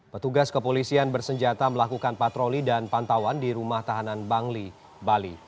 petugas kepolisian bersenjata melakukan patroli dan pantauan di rumah tahanan bangli bali